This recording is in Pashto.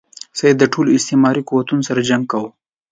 سید د ټولو استعماري قوتونو سره جنګ کاوه.